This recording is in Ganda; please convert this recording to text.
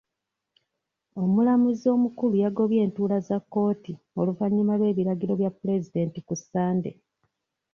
Omulamuzi omukulu yagobye entuula za kkooti oluvannyuma lw'ebiragiro bya pulezidenti ku Sunday